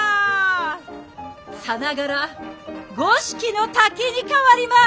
さながら五色の滝に変わります！